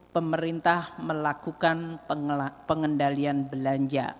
pemerintah melakukan pengendalian belanja